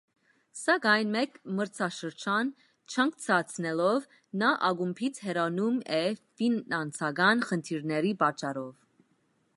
Սակայն մեկ մրցաշրջան չանկցացնելով նա ակումբից հեռանում է ֆինանսական խնդիրների պատճառով։